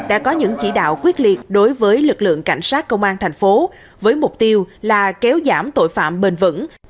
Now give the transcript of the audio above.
đã có những chỉ đạo quyết liệt đối với lực lượng cảnh sát công an thành phố với mục tiêu là kéo giảm tội phạm bền vững